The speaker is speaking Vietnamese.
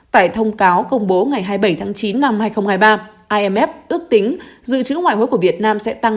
tại thông cáo công bố ngày hai mươi bảy tháng chín năm hai nghìn hai mươi ba imf ước tính dự trữ ngoại hối của việt nam sẽ tăng